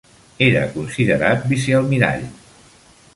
Era considerat vicealmirall.